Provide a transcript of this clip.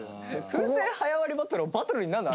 風船早割りバトルはバトルになるの？